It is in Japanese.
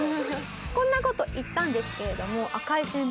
こんな事言ったんですけれども赤井先輩